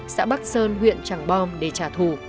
xã bắc sơn huyện trảng bom để trả thù